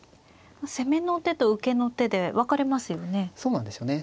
攻めの手と受けの手で分かれますよね。